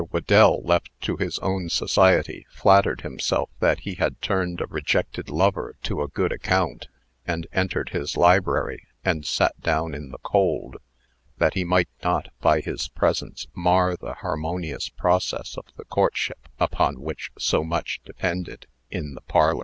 Whedell, left to his own society, flattered himself that he had turned a rejected lover to a good account, and entered his library and sat down in the cold, that he might not, by his presence, mar the harmonious progress of the courtship upon which so much depended, in the parlor.